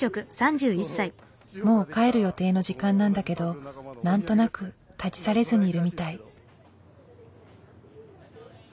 もう帰る予定の時間なんだけど何となく立ち去れずにいるみたい。